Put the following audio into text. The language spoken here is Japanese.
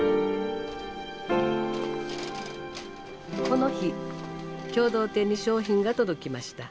この日共同店に商品が届きました。